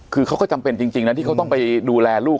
คือเขาก็จำเป็นจริงนะที่เขาต้องไปดูแลลูก